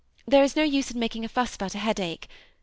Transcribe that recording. There is no use in makings a fhss about a headache.